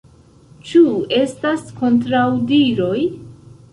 Ĉu estas kontraŭdiroj?